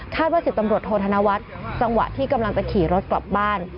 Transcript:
ว่า๑๐ตำรวจโทษธนวัฒน์จังหวะที่กำลังจะขี่รถกลับบ้าน